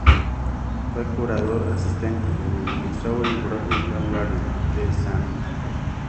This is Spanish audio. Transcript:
Fue curador asistente, en el Missouri Botanical Garden, de St.